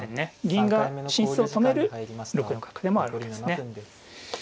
銀が進出を止める６四角でもあるわけですね。